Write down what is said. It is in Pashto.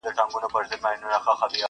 o چرگ دي يم حلالوه مي مه٫